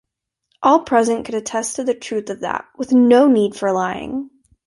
All present could attest to the truth of that, with no need for lying!